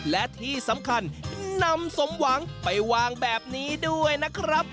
และที่สำคัญนำสมหวังไปวางแบบนี้ด้วยนะครับ